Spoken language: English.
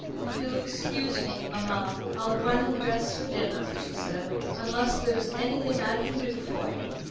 "If you'll excuse me, mamma. I'll run and dress for dinner," she said, "unless there is anything I can do for you.